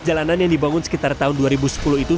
jalanan yang dibangun sekitar tahun dua ribu sepuluh itu